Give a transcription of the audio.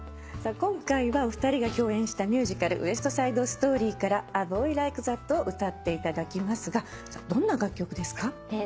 今回はお二人が共演したミュージカル『ウエスト・サイド・ストーリー』から『ＡＢｏｙＬｉｋｅＴｈａｔ』を歌っていただきますがどんな楽曲ですか？